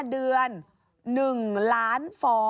๕เดือน